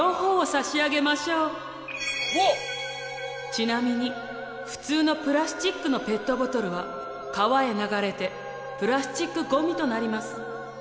ちなみに普通のプラスチックのペットボトルは川へ流れてプラスチックごみとなります。